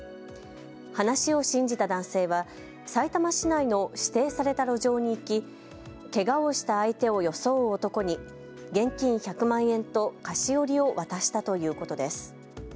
話を信じた男性はさいたま市内の指定された路上に行きけがをした相手を装う男に現金１００万円と菓子折を渡したということです。